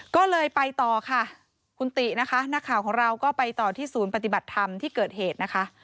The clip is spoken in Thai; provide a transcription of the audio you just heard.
ก็เลยไปต่อค่ะคุณตินะคะนักข่าวของเราก็ไปต่อที่ศูนย์ปฏิบัติธรรมที่เกิดเหตุนะคะ